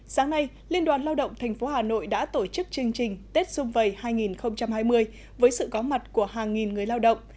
sáng nay liên đoàn lao động tp hà nội đã tổ chức chương trình tết xung vầy hai nghìn hai mươi với sự có mặt của hàng nghìn người lao động